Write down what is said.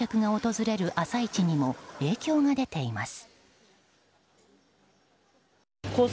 多くの観光客が訪れる朝市にも影響が出ています。